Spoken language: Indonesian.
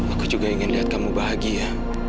aku juga ingin lihat kamu bahagia